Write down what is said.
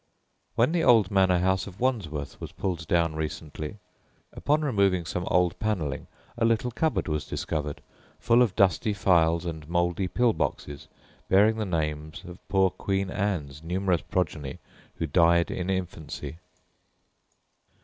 When the old manor house of Wandsworth was pulled down recently, upon removing some old panelling a little cupboard was discovered, full of dusty phials and mouldy pill boxes bearing the names of poor Queen Anne's numerous progeny who died in infancy.